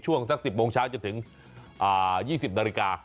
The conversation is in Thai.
สัก๑๐โมงเช้าจนถึง๒๐นาฬิกา